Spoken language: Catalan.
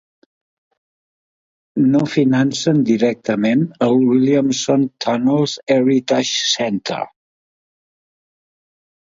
No financen directament el Williamson Tunnels Heritage Center.